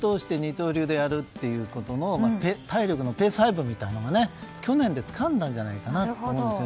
１年通しで二刀流でやることの体力のペース配分みたいなものを去年でつかんだんじゃないかと思います。